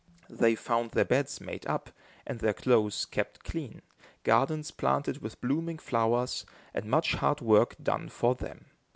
They found their beds made up and their clothes kept clean, gardens planted with blooming flowers, and much hard work done for them.